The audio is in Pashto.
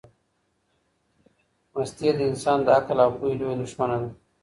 مستی د انسان د عقل او پوهي لویه دښمنه ده.